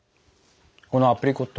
このアプリコット。